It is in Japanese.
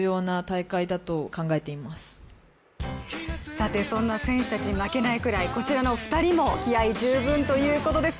さて、そんな選手たちに負けないくらい、こちらの二人も気合い十分ということです。